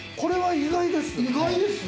意外です